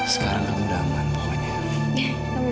sekarang kamu udah aman pokoknya